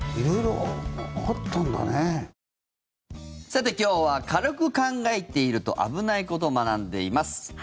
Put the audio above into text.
さて、今日は軽く考えていると危ないことを学んでいます。